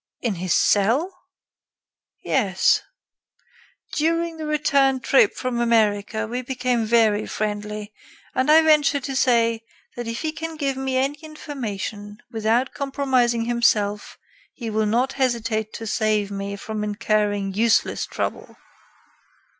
"In his cell?" "Yes. During the return trip from America we became very friendly, and I venture to say that if he can give me any information without compromising himself he will not hesitate to save me from incurring useless trouble."